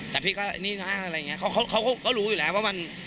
แต่พี่ก็ที่นี่นะเขาก็รู้อยู่แล้วว่ามัน